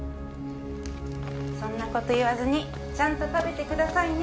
そんな事言わずにちゃんと食べてくださいね。